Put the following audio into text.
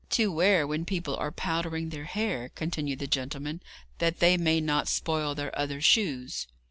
'To wear when people are powdering their hair,' continued the gentleman, 'that they may not spoil their other shoes.'